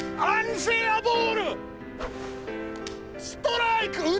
ストライク！